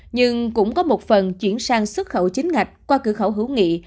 nhưng cũng có một phần chuyển sang xuất khẩu chính ngạch qua cửa khẩu hữu nghị